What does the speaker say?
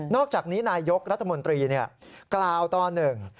อกจากนี้นายยกรัฐมนตรีกล่าวตอนหนึ่ง